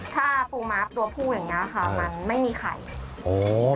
ถ้าปูมะตัวพูอย่างนี้ค่ะมันไม่มีไข่